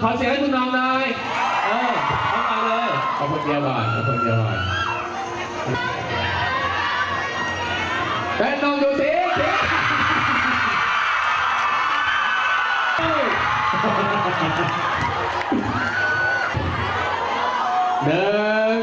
ขอเสียงให้คุณน้องเลยเออเอามาเลยขอพอเยี่ยมหน่อยขอพอเยี่ยมหน่อย